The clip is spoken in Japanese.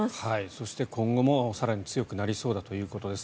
そして、今後も更に強くなりそうだということです。